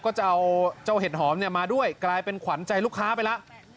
ก็จะเอาเจ้าเห็ดหอมมาด้วยกลายเป็นขวัญใจลูกค้าไปแล้ว